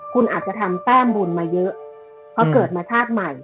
คุณอาจจะทำแต้มบุญมาเยอะเพราะเกิดมาชาติใหม่